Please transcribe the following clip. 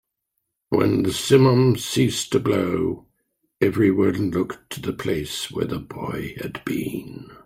When the simum ceased to blow, everyone looked to the place where the boy had been.